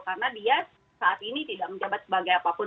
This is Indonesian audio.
karena dia saat ini tidak menjabat sebagai apapun